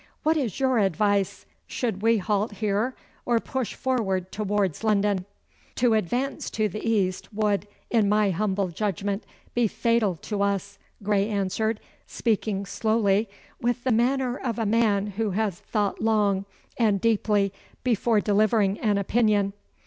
What is your advice? Should we halt here or push forward towards London?' 'To advance to the East would, in my humble judgment, be fatal to us,' Grey answered, speaking slowly, with the manner of a man who has thought long and deeply before delivering an opinion.